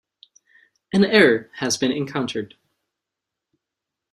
An error has been encountered.